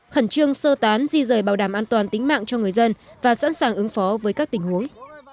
khẩn trương sơ tán di rời bảo đảm an toàn tính mạng cho người dân và sẵn sàng ứng phó với các tình huống